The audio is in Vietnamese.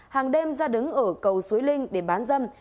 hàng đêm ra đứng ở cầu suối linh để bán dâm